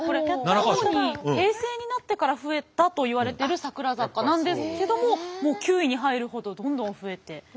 主に平成になってから増えたといわれてる桜坂なんですけどももう９位に入るほどどんどん増えていっていると。